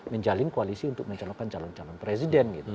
menjalin koalisi untuk mencalonkan calon calon presiden gitu